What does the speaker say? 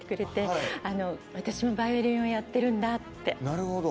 なるほど。